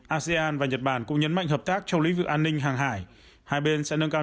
asean và nhật bản cũng nhấn mạnh hợp tác trong lĩnh vực an ninh hàng hải hai bên sẽ nâng cao